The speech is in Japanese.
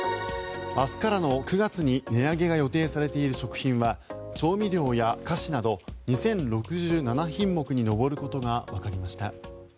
明日からの９月に値上げが予定されている食品は調味料や菓子など２０６７品目に上ることがわかりました。